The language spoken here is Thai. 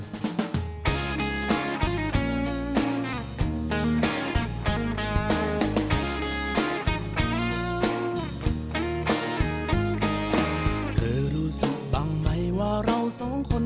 นี่คือส่วนยางของ